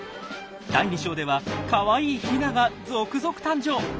第２章ではかわいいヒナが続々誕生。